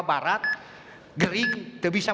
program jabar tjager tjager tehnaon